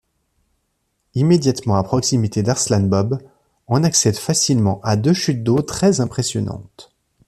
Immédiatement à proximité d'Arslanbob, on accède facilement à deux chutes d'eau très impressionnantes.